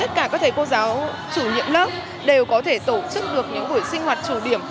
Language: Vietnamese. tất cả các thầy cô giáo chủ nhiệm lớp đều có thể tổ chức được những buổi sinh hoạt chủ điểm